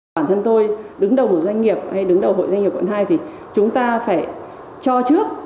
bản thân tôi đứng đầu một doanh nghiệp hay đứng đầu hội doanh nghiệp quận hai thì chúng ta phải cho trước